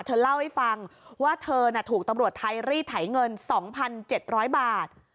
เธอเล่าให้ฟังว่าเธอถูกตำรวจไทยรีดไถเงิน๒๗๐๐บาท